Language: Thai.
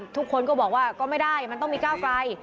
ทุกคนก็บอกว่าก็ไม่ได้มันต้องมีก้าวไกล